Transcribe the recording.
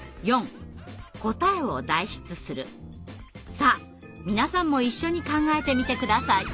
さあ皆さんも一緒に考えてみて下さい。